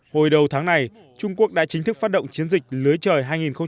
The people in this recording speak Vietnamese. hồi đầu tháng này trung quốc đã chính thức phát động chiến dịch lưới trời hai nghìn một mươi chín